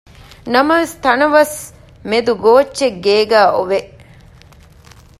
ނަމަވެސް ތަނަވަސް މެދު ގޯއްޗެއް ގޭގައި އޮވެ